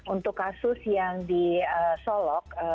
untuk kasus yang disolok